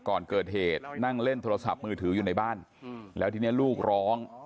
ก่อนเกิดเหตุนั่งเล่นโทรศัพท์มือถืออยู่ในบ้านแล้วทีนี้ลูกร้อง